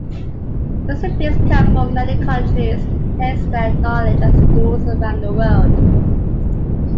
Recipients come from many countries, and enhance their knowledge at schools around the world.